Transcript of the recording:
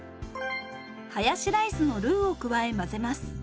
ハヤシライスのルーを加え混ぜます。